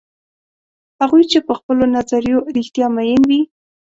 هغوی چې په خپلو نظریو رښتیا میین وي.